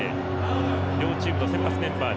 両チームの先発メンバー。